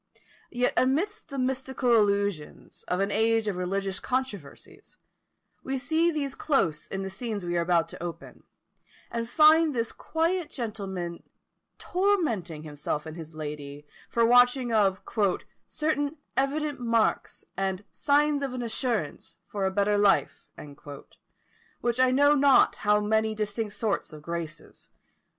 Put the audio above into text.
Yet amidst the mystical allusions of an age of religious controversies, we see these close in the scenes we are about to open, and find this quiet gentleman tormenting himself and his lady by watching for "certain evident marks and signs of an assurance for a better life," with I know not how many distinct sorts of "Graces."